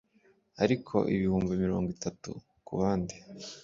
ariko ibihumbi mirongo itatu kubandi